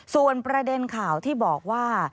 ส่วนประเด็นข่าวที่บอกว่า